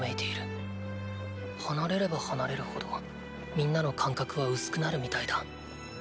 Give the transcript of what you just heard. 離れれば離れるほどみんなの感覚は薄くなるみたいだ。